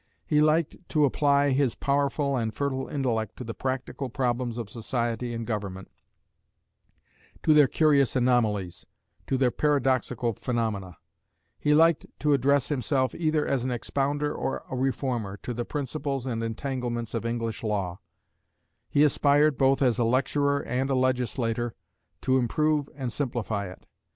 He liked to apply his powerful and fertile intellect to the practical problems of society and government, to their curious anomalies, to their paradoxical phenomena; he liked to address himself, either as an expounder or a reformer, to the principles and entanglements of English law; he aspired, both as a lecturer and a legislator, to improve and simplify it.